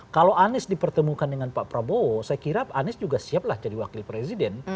kalau anies dipertemukan dengan pak prabowo saya kira anies juga siaplah jadi wakil presiden